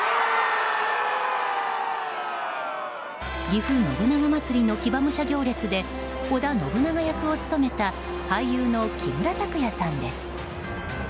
ぎふ信長まつりの騎馬武者行列で織田信長役を務めた俳優の木村拓哉さんです。